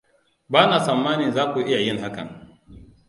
Ba na tsammanin za ku iya yin hakan.